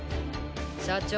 社長。